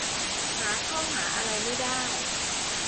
หาข้อหาอะไรไม่ได้